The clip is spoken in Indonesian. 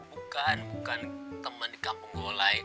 bukan bukan temen di kampung kulai